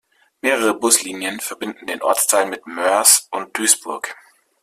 Mehrere Buslinien verbinden den Ortsteil mit Moers und Duisburg.